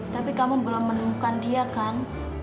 tapi kamu belum menemukan dia kan